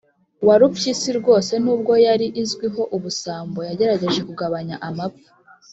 Warupyisi rwose n’ubwo yari izwiho ubusambo yagerageje kugabanya amapfa